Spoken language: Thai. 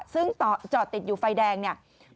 ซึ่งจอดติดอยู่ไฟแดงเนี่ย